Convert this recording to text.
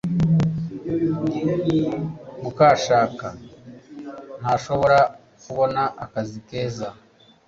Mukashaka ntashobora kubona akazi keza